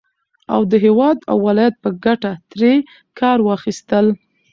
او د هېواد او ولايت په گټه ترې كار واخيستل